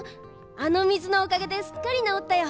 あのみずのおかげですっかりなおったよ。